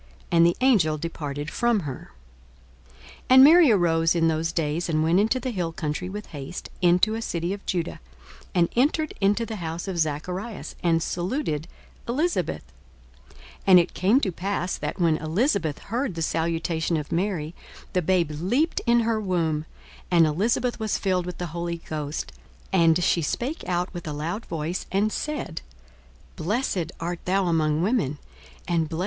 And the angel departed from her. 42:001:039 And Mary arose in those days, and went into the hill country with haste, into a city of Juda; 42:001:040 And entered into the house of Zacharias, and saluted Elisabeth. 42:001:041 And it came to pass, that, when Elisabeth heard the salutation of Mary, the babe leaped in her womb; and Elisabeth was filled with the Holy Ghost: 42:001:042 And she spake out with a loud voice, and said, Blessed art thou among women, and blessed is the fruit of thy womb.